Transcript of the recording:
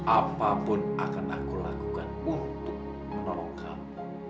apapun akan aku lakukan untuk menolong kamu